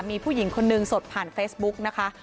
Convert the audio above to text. มีผู้หญิงคนนึงสดผ่านเฟซบุ๊กนะคะ